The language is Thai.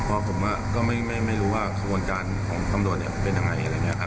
เพราะผมก็ไม่รู้ว่าขบวนการของตำรวจมันเป็นยังไงอะไรอย่างนี้ครับ